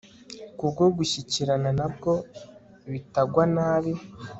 kuko gushyikirana na bwo bitagwa nabi